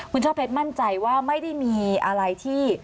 คุณช่อเพชรมั่นใจว่าไม่ได้มีอะไรที่